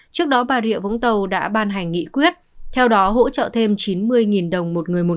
trước đó bà rịa vũng tàu đã ban hành nghị quyết theo đó hỗ trợ thêm chín mươi đồng một người một